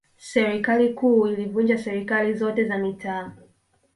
serikali kuu ilivunja serikali zote za mitaa